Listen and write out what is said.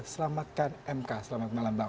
selamatkan mk selamat malam bang